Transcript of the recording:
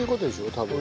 多分。